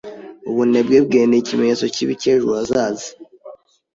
Ubunebwe bwe ni ikimenyetso kibi cy'ejo hazaza.